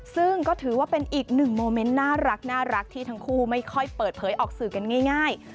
ซึ่งก็ถือว่าเป็นอีกหนึ่งโมเมนต์น่ารักที่ทั้งคู่ไม่ค่อยเปิดเผยออกสื่อกันง่าย